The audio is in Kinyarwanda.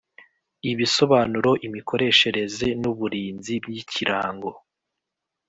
ibisobanuro imikoreshereze n uburinzi by Ikirango